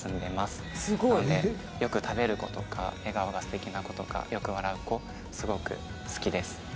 なのでよく食べる子とか笑顔が素敵な子とかよく笑う子すごく好きです。